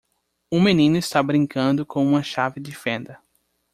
Um menino está brincando com uma chave de fenda.